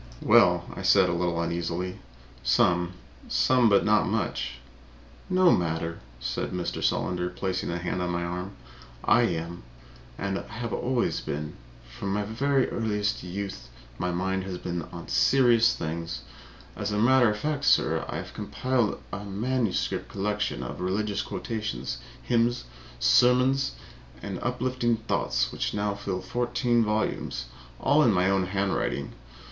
"Well," I said, a little uneasily, "some. Some, but not much." "No matter," said Mr. Solander, placing a hand on my arm. "I am. I have always been. From my earliest youth my mind has been on serious things. As a matter of fact, sir, I have compiled a manuscript collection of religious quotations, hymns, sermons and uplifting thoughts which now fill fourteen volumes, all in my own handwriting.